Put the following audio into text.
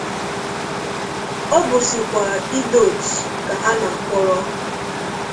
Ọ bụzịkwà Idoto ka a na-akwọrọ